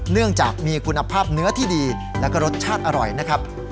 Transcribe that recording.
เนื่องจากมีคุณภาพเนื้อที่ดีแล้วก็รสชาติอร่อยนะครับ